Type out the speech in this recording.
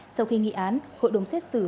sau khi nghị án hội đồng xét xử